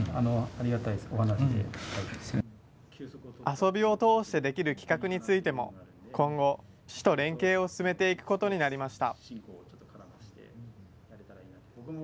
遊びを通してできる企画についても、今後、市と連携を進めていくことになりました。